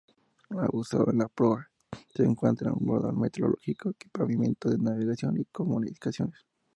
Adosado a la proa se encuentra un radar meteorológico, equipamiento de navegación y comunicaciones.